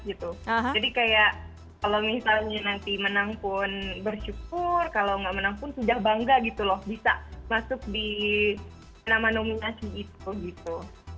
jadi kayak kalau misalnya nanti menang pun bersyukur kalau nggak menang pun sudah bangga gitu loh bisa masuk di nama nominasi itu gitu